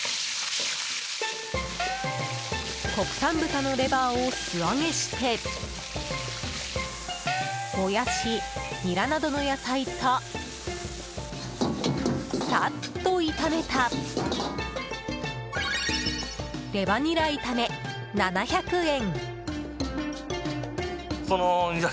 国産豚のレバーを素揚げしてもやし、ニラなどの野菜とさっと炒めたレバニラ炒め、７００円。